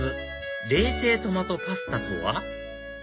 冷製トマトパスタとは？